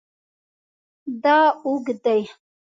دا اوږد دی